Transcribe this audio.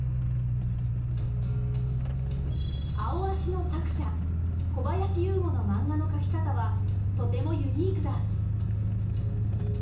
「アオアシ」の作者小林有吾のマンガの描き方はとてもユニークだ。